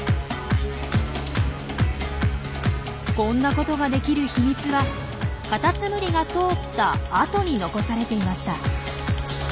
こんなことができる秘密はカタツムリが通った跡に残されていました。